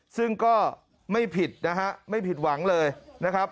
ซึ่งก็ไม่ผิดนะฮะไม่ผิดหวังเลยนะครับ